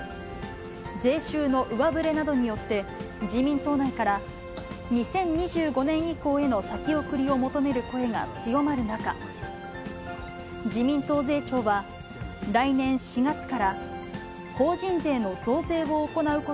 税収の上振れなどによって、自民党内から２０２５年以降への先送りを求める声が強まる中、自民党税調は、以上、きょうコレをお伝えしました。